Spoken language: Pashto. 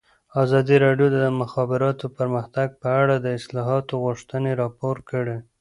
ازادي راډیو د د مخابراتو پرمختګ په اړه د اصلاحاتو غوښتنې راپور کړې.